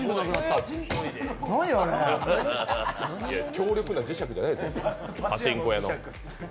強力な磁石じゃないですよ、パチンコ屋の。